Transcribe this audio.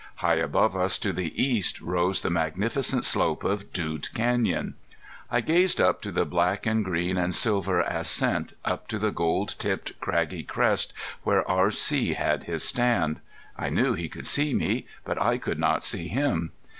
High above us to the east rose the magnificent slope of Dude Canyon. I gazed up to the black and green and silver ascent, up to the gold tipped craggy crest where R.C. had his stand. I knew he could see me, but I could not see him.